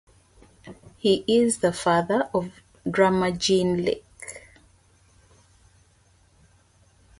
He is the father of drummer Gene Lake.